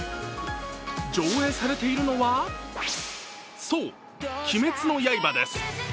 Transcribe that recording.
上映されているのは、そう「鬼滅の刃」です。